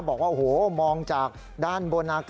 บอกว่าโหมองจากด้านบนนะครับ